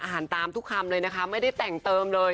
อ่านตามทุกคำเลยนะคะไม่ได้แต่งเติมเลย